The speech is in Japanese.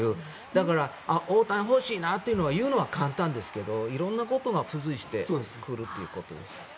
だから、大谷欲しいなと言うのは簡単ですけどいろんなことが付随してくると。